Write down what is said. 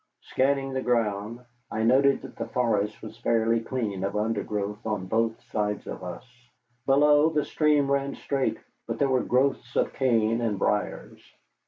Scanning the ground, I noted that the forest was fairly clean of undergrowth on both sides of us. Below, the stream ran straight, but there were growths of cane and briers.